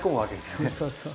そうそうそう。